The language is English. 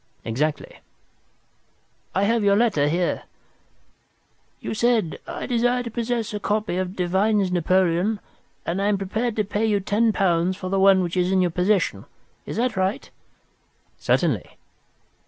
"Exactly." "I have your letter here. You said, 'I desire to possess a copy of Devine's Napoleon, and am prepared to pay you ten pounds for the one which is in your possession.' Is that right?" "Certainly."